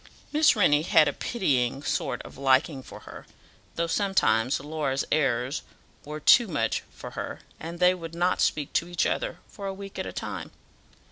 Miss Rennie had a pitying sort of liking for her, though sometimes Laura's airs were too much for her, and they would not speak to each other for a week at a time.